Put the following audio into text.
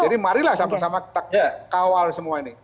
jadi mari lah sama sama kita kawal semua ini